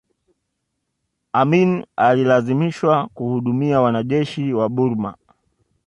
amin alilazimishwa kuhudumia wanajeshi wa burma